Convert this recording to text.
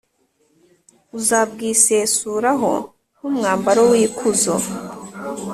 Uzabwisesuraho nk’umwambaro w’ikuzo,